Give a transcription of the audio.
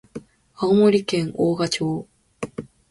青森県大鰐町